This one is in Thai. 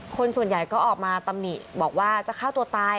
คนส่วนใหญ่ก็ออกมาตำหนิบอกว่าจะฆ่าตัวตาย